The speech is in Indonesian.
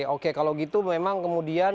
oke kalau gitu memang kemudian